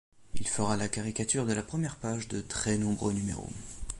Il fera la caricature de la première page de très nombreux numéros.